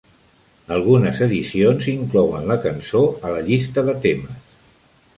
Algunes edicions inclouen la cançó a la llista de temes.